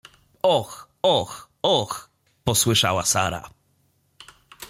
— Och… och… och! — posłyszała Sara.